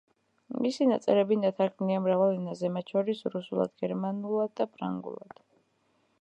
მისი ნაწერები ნათარგმნია მრავალ ენაზე, მათშორის რუსულად, გერმანულად და ფრანგულად.